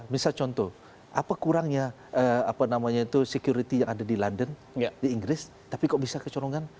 misal contoh apa kurangnya apa namanya itu security yang ada di london di inggris tapi kok bisa kecolongan